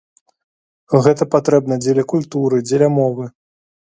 Гэта патрэбна дзеля культуры, дзеля мовы.